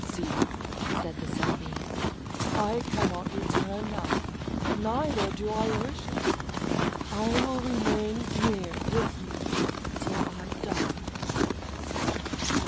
"See," said the Sunbeam, "I cannot return now, neither do I wish it. I will remain here with you till I die."